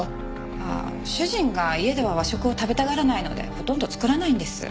ああ主人が家では和食を食べたがらないのでほとんど作らないんです。